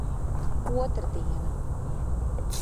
Otrdiena.